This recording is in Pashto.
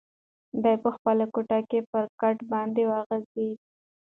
دی په خپله کوټه کې پر کټ باندې وغځېد.